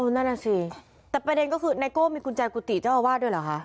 นั่นน่ะสิแต่ประเด็นก็คือไนโก้มีกุญแจกุฏิเจ้าอาวาสด้วยเหรอคะ